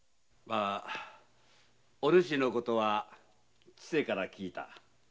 お主のことは千勢から聞いた。